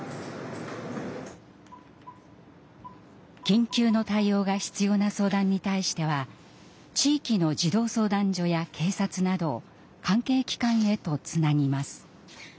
緊急の対応が必要な相談に対しては地域の児童相談所や警察など関係機関へとつなぎます。